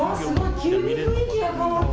急に雰囲気が変わって。